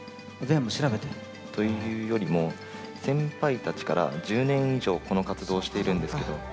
全部調べて？というよりも先輩たちから１０年以上この活動をしているんですけど。